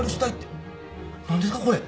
何ですかこれ？